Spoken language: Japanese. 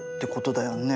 だよね！